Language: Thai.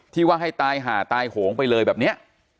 ว่าให้ตายหาตายโหงไปเลยแบบนี้